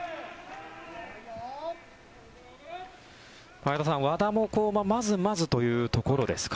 前田さん、和田もまずまずというところですか。